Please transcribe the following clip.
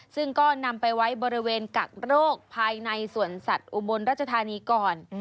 ซึ่งก็นำไปไว้บริเวณกักโรคภายในสวนสัตว์อุบลรัชธานีก่อน